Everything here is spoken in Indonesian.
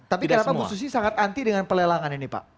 tapi kenapa bu susi sangat anti dengan pelelangan ini pak